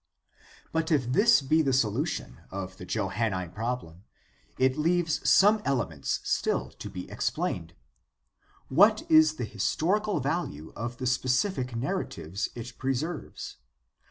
But if this be the solution of the Johannine problem, it leaves some elements still to be explained. What is the his torical value of the specific narratives it preserves